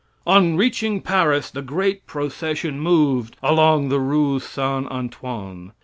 On reaching Paris the great procession moved along the Rue St. Antoine.